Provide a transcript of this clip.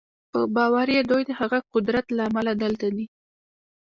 په باور یې دوی د هغه قدرت له امله دلته دي